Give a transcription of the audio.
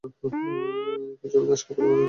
কিন্তু অবিনাশকে পারিবার জো নাই।